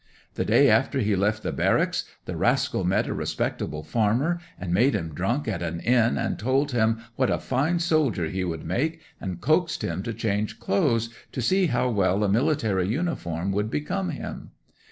The day after he left the barracks the rascal met a respectable farmer and made him drunk at an inn, and told him what a fine soldier he would make, and coaxed him to change clothes, to see how well a military uniform would become him.